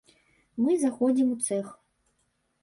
Мы заходзім у цэх.